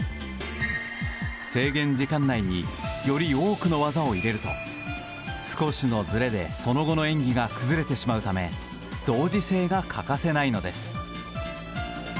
制限時間内により多くの技を入れると少しのずれで、その後の演技が崩れてしまうため同時性が欠かせないのです。